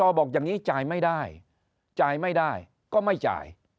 พอบอกอย่างนี้จ่ายไม่ได้จ่ายไม่ได้ก็ไม่จ่าย